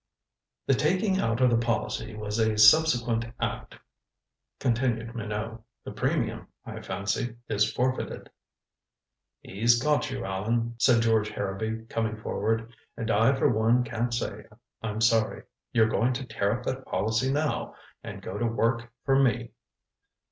"The taking out of the policy was a subsequent act," continued Minot. "The premium, I fancy, is forfeited." "He's got you, Allan," said George Harrowby, coming forward, "and I for one can't say I'm sorry. You're going to tear up that policy now and go to work for me."